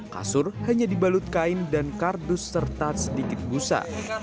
kasur hanya dibalut kain dan kardus serta sedikit busa